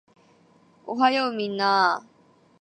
おはようみんなー